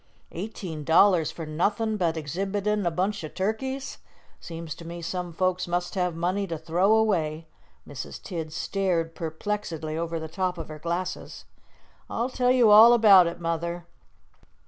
"Eighteen dollars for nothin' but exhibitin' a bunch o' turkeys! Seems to me some folks must have money to throw away." Mrs. Tidd stared perplexedly over the top of her glasses. "I'll tell you all about it, Mother."